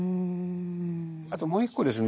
あともう一個ですね